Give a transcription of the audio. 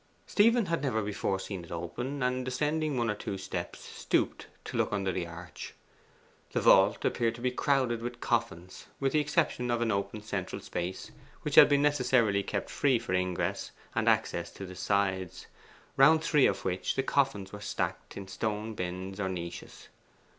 Stephen had never before seen it open, and descending one or two steps stooped to look under the arch. The vault appeared to be crowded with coffins, with the exception of an open central space, which had been necessarily kept free for ingress and access to the sides, round three of which the coffins were stacked in stone bins or niches.